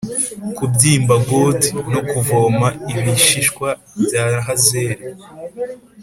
kubyimba gourd, no kuvoma ibishishwa bya hazel